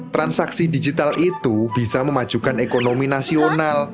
transaksi digital itu bisa memajukan ekonomi nasional